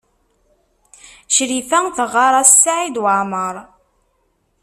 Crifa teɣɣar-as Saɛid Waɛmaṛ.